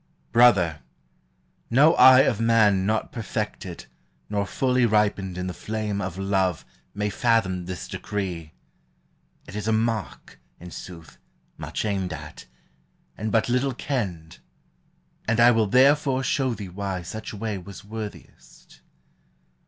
" Brother! no eye of man not perfected, Nor fully ripened in the flame of love, May fathom this decree. It is a mark. In sooth, much aimed at, and but little kenned: And I will therefore show thee why such way Was worthiest.